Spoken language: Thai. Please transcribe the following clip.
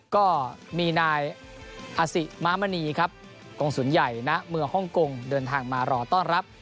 ก็มีนายอสิม้ามณีครับกรงศูนย์ใหญ่ณเมืองฮ่องกงเดินทางมารอต้อนรับ